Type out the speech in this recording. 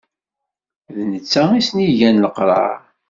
D netta i sen-igan leqrar.